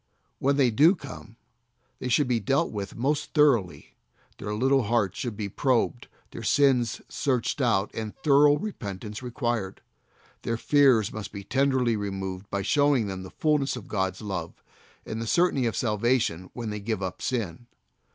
When they do come, they should be dealt with most thoroughly, their little hearts should be probed, their sins searched out and thorough repentance required. Their fears must be tenderly removed by showing them the fullness of God's love, and the certainty of salvation when they give up sin.